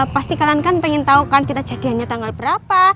pasti kalian kan pengen tau kan kita jadiannya tanggal berapa